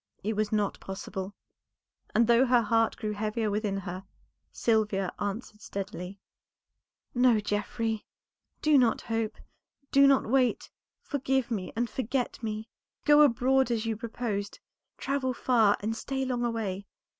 It was not possible; and though her heart grew heavier within her, Sylvia answered steadily "No, Geoffrey, do not hope, do not wait; forgive me and forget me. Go abroad as you proposed; travel far and stay long away.